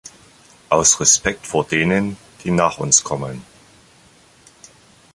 Aus Respekt vor denen, die nach uns kommen.